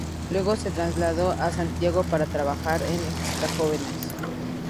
Luego se trasladó a Santiago para trabajar en "Extra jóvenes".